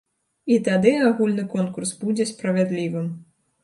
І тады агульны конкурс будзе справядлівым.